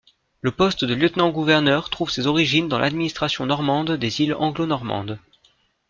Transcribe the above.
Le poste de lieutenant-gouverneur trouve ses origines dans l'administration normande des îles Anglo-Normandes.